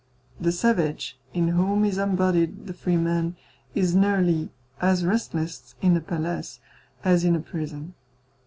The savage, in whom is embodied the free man, is nearly as restless in a palace as in a prison.